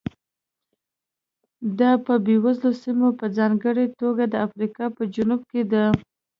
دا په بېوزله سیمو په ځانګړې توګه د افریقا په جنوب کې ده.